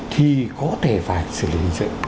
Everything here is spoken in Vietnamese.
thì có thể phải xử lý